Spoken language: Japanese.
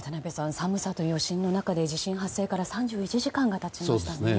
寒さと余震の中で地震発生から３１時間が経ちましたね。